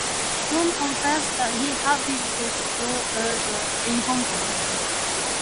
Bloom confessed that he had visited brothels in Hong Kong.